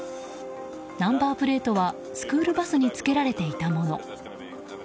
ナンバープレートはスクールバスにつけられていたもの。